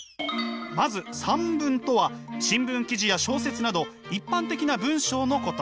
まず散文とは新聞記事や小説など一般的な文章のこと。